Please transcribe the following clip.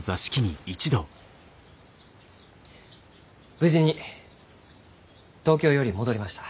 無事に東京より戻りました。